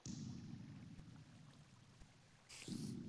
د پیوند کولو لپاره ښه ډډونه پکار دي.